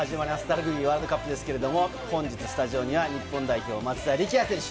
ラグビーワールドカップですけれども、本日スタジオには日本代表・松田力也選手。